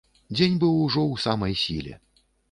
Дзень быў ужо ў самай сіле.